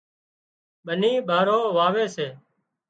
ٻنِي ٻارو واوي سي